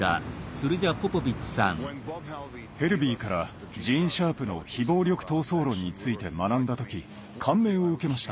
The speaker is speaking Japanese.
ヘルヴィーからジーン・シャープの非暴力闘争論について学んだ時感銘を受けました。